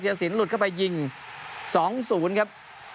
ธิรศิลป์หลุดเข้าไปยิง๒๐ครับ